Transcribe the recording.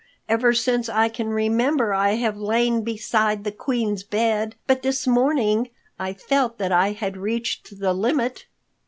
Ever since I can remember, I have lain beside the Queen's bed. But this morning I felt that I had reached the limit.